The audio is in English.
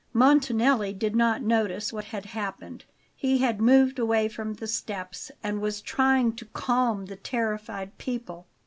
Montanelli did not notice what had happened; he had moved away from the steps, and was trying to calm the terrified people.